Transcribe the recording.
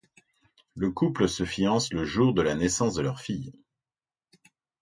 Le couple se fiance le jour de la naissance de leur fille.